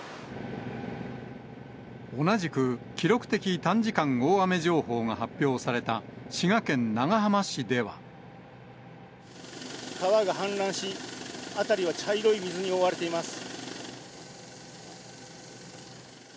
同じく、記録的短時間大雨情報が発表された滋賀県長浜市では。川が氾濫し、辺りは茶色い水に覆われています。